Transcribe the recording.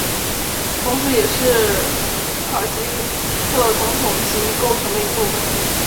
同时也是塔吉克总统旗构成的一部分